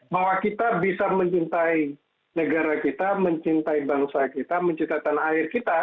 bahwa kita bisa mencintai negara kita mencintai bangsa kita mencintai tanah air kita